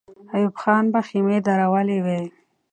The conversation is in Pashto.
ایوب خان به خېمې درولې وې.